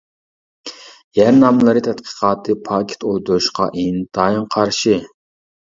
يەر ناملىرى تەتقىقاتى پاكىت ئويدۇرۇشقا ئىنتايىن قارشى.